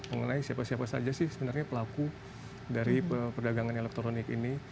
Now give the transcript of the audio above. mengenai siapa siapa saja sih sebenarnya pelaku dari perdagangan elektronik ini